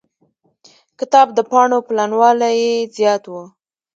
کتاب د پاڼو پلنوالی يې زيات و.